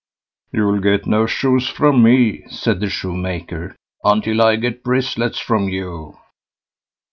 "You'll get no shoes from me", said the Shoemaker, "until I get bristles from you."